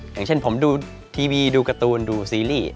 อย่างเช่นผมดูทีวีดูการ์ตูนดูซีรีส์